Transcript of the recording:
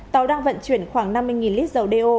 tàu đang vận chuyển khoảng năm mươi lít dầu đeo